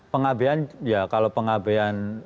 pengabeyan ya kalau pengabeyan